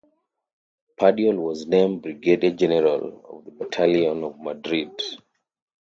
Padial was named Brigadier General of the Battalion of Madrid.